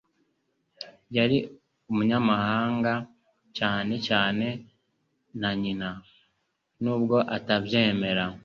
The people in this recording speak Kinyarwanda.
Yari umunyamahanga, cyane cyane na nyina, nubwo atabyemera.